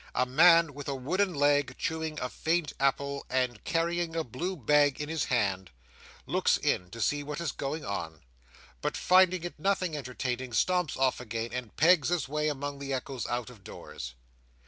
A man with a wooden leg, chewing a faint apple and carrying a blue bag in has hand, looks in to see what is going on; but finding it nothing entertaining, stumps off again, and pegs his way among the echoes out of doors.